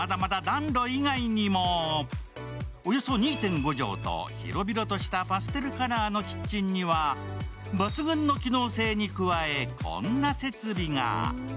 およそ２．５畳と広々としたパステルカラーのキッチンには、抜群の機能性に加えこんな設備が。